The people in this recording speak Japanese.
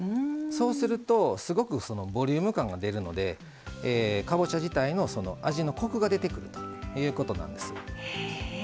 そうするとすごくボリューム感が出るのでかぼちゃ自体の味のコクが出てくるということなんです。